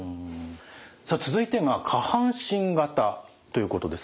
さあ続いて下半身型ということです。